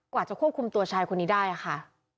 กว่าจะควบคุมตัวชายคนนี้ได้ค่ะ